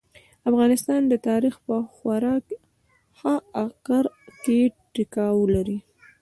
افغانستان د تاريخ په خورا ښه اکر کې ټيکاو لري.